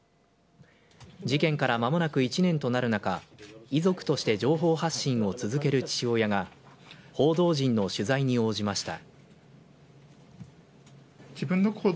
事件から間もなく１年となる中遺族として情報発信を続ける父親が報道陣の取材に応じました。